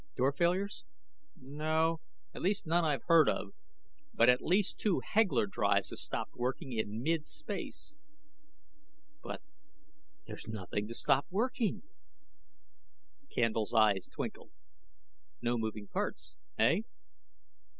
"Door failures?" "No. At least none that I've heard of. But at least two Hegler drives have stopped working in mid space." "But, but there's nothing to stop working " Candle's eyes twinkled. "No moving parts, eh?"